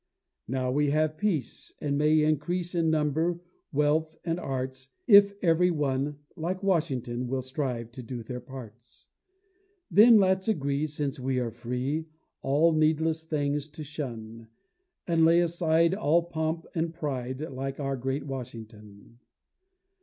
Now we have peace, and may increase In number, wealth, and arts, If every one, like Washington, Will strive to do their parts. Then let's agree, since we are free, All needless things to shun; And lay aside all pomp and pride, Like our great Washington.